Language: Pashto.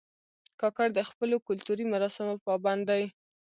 کاکړ د خپلو کلتوري مراسمو پابند دي.